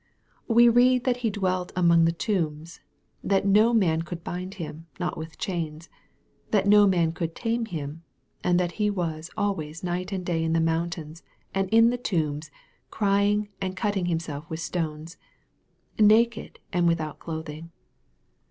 We read that he dwelt " among the tombs," that " no man could bind him, no, not with chains" that no man could tame him and that he was "always night and day in the mountains, and in the tombs, crying, and cut ting himself with stones," naked, and without clothing.